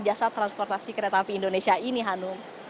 jasa transportasi kereta api indonesia ini hanum